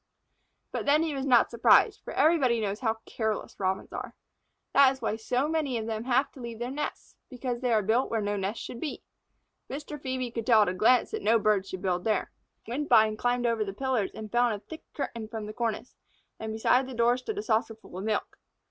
But then he was not surprised, for everybody knows how careless Robins are. That is why so many of them have to leave their nests because they are built where no nest should be. Mr. Phœbe could tell at a glance that no bird should build there. Woodbine climbed over the pillars and fell in a thick curtain from the cornice, and beside the door stood a saucerful of milk.